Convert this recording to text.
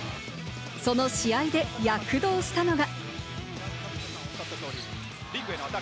その試合で躍動したのが。